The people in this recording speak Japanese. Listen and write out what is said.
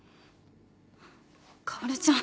薫ちゃん